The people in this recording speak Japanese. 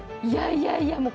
いやいや